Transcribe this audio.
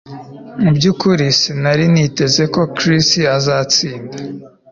Mu byukuri sinari niteze ko Chris azatsinda